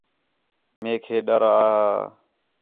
میک ہِے ݙر آ ہا